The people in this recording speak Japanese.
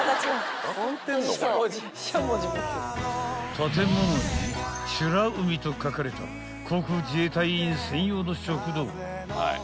［建物に美海と書かれた航空自衛隊員専用の食堂］